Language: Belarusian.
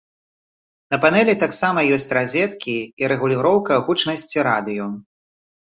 На панэлі таксама ёсць разеткі і рэгуліроўка гучнасці радыё.